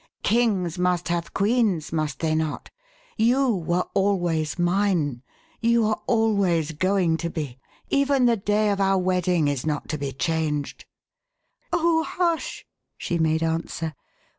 Kings must have queens, must they not? You were always mine: you are always going to be. Even the day of our wedding is not to be changed." "Oh, hush!" she made answer.